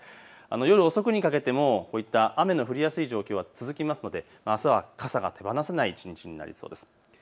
夜遅くにかけてもこういった雨の降りやすい状況は続きますのであすは傘が手放せない一日になりそうです。